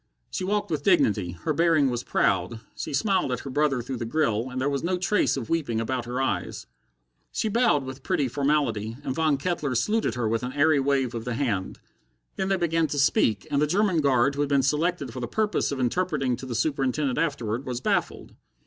She walked with dignity, her bearing was proud, she smiled at her brother through the grill, and there was no trace of weeping about her eyes. She bowed with pretty formality, and Von Kettler saluted her with an airy wave of the hand. Then they began to speak, and the German guard who had been selected for the purpose of interpreting to the Superintendent afterward, was baffled.